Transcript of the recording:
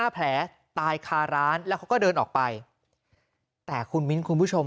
แผลตายคาร้านแล้วเขาก็เดินออกไปแต่คุณมิ้นคุณผู้ชม